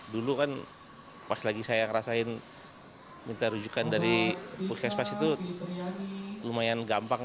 dulu kan pas lagi saya ngerasain minta rujukan dari puskesmas itu lumayan gampang